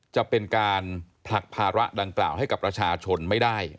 จะเป็นการผลักภาระดังกล่าวให้กับประชาชนไม่ได้